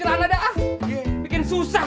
isinya udah berubah